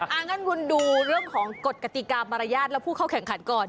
งั้นคุณดูเรื่องของกฎกติกามารยาทและผู้เข้าแข่งขันก่อน